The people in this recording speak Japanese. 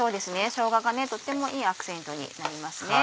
しょうががとってもいいアクセントになりますね。